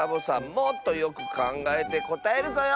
もっとよくかんがえてこたえるぞよ。